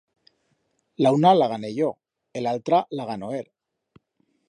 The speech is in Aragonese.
La una la gané yo e l'altra la ganó er.